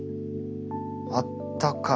あったかい。